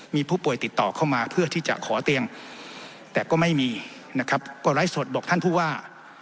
มีผู้ป่วยติดต่อเข้ามาเพื่อที่จะขอเตียงแต่ก็ไม่มีนะครับก็ไลฟ์สดบอกท่านผู้ว่า